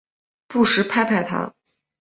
不时拍拍她